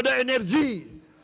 dan memiliki pertahanan yang kuat